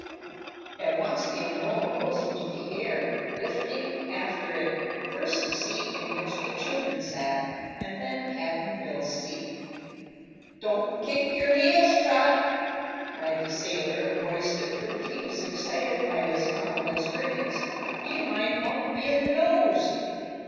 At once the umbrella rose into the air, lifting after it, first the seat in which the children sat, and then Cap'n Bill's seat. "Don't kick your heels, Trot!" cried the sailor in a voice that proved he was excited by his novel experience; "you might bump me in the nose."